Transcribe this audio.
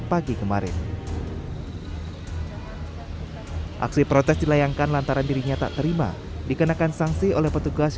pagi kemarin aksi protes dilayangkan lantaran dirinya tak terima dikenakan sanksi oleh petugas